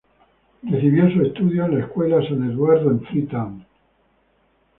Recibió sus estudios en la escuela San Eduardo en Freetown.